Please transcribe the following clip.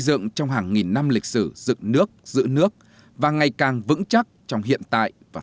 dựng trong hàng nghìn năm lịch sử dựng nước giữ nước và ngày càng vững chắc trong hiện tại và